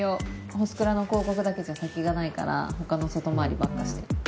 ホスクラの広告だけじゃ先がないから他の外回りばっかしてる。